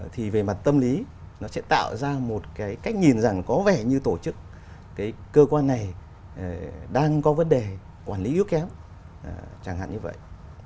thì về mặt tâm lý nó sẽ tạo ra một cái cách nhìn rằng có vẻ như tổ chức cái cơ quan này đang có vấn đề quản lý yếu kém chẳng hạn như vậy